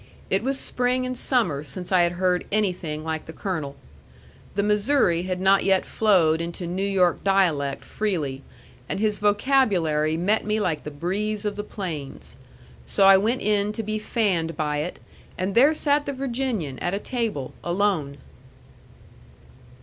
It was spring and summer since I had heard anything like the colonel. The Missouri had not yet flowed into New York dialect freely, and his vocabulary met me like the breeze of the plains. So I went in to be fanned by it, and there sat the Virginian at a table, alone.